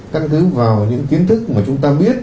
căn cứ vào những kiến thức mà chúng ta biết